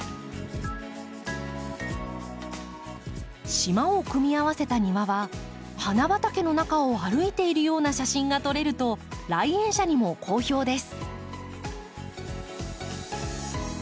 島を組み合わせた庭は花畑の中を歩いているような写真が撮れると来園者にも好評です。